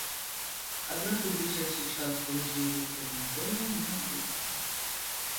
Аднак у бліжэйшы час паніжэнне ўзроўню цэнаў не адбудзецца.